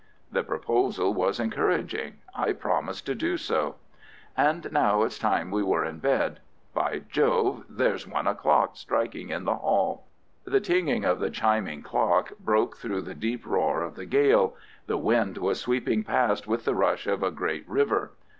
The proposal was encouraging. I promised to do so. "And now it's time we were in bed. By Jove, there's one o'clock striking in the hall." The tinging of the chiming clock broke through the deep roar of the gale. The wind was sweeping past with the rush of a great river.